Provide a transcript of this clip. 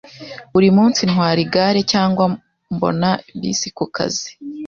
Buri munsi ntwara igare cyangwa mbona bisi kukazi.